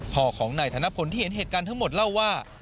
พ่อของนายธนพลที่เห็นเหตุการณ์ทั้งหมดเล่าว่า